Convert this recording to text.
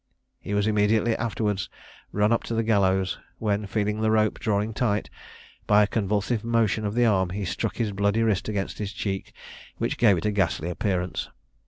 He was immediately afterwards run up to the gallows, when, feeling the rope drawing tight, by a convulsive motion of the arm he struck his bloody wrist against his cheek, which gave it a ghastly appearance.